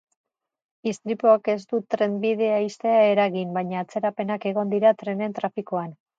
Istripuak ez du trenbidea ixtea eragin, baina atzerapenak egon dira trenen trafikoan.